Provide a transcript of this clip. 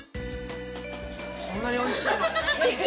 そんなにおいしいの？